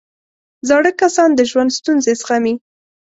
زاړه کسان د ژوند ستونزې زغمي